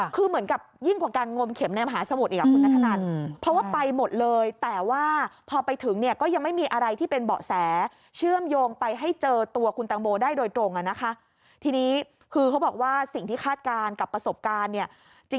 คือเหมือนกับยิ่งกว่าการงวมเข็มในมหาสมุทรกับคุณดร